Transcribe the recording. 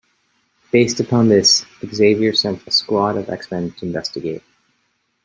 Based upon this, Xavier sent a squad of X-Men to investigate.